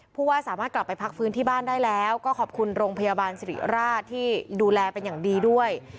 ผู้ว่าสามารถกลับไปพักฟื้นที่บ้านได้แล้วก็ขอบคุณโรงพยาบาลสิริราชที่ดูแลเป็นอย่างดีด้วย